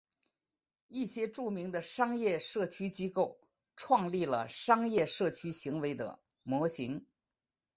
一些著名的商业社交机构创立了商业社交行为的模型。